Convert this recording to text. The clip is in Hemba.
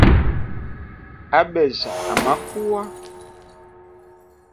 Abejya amakuwa.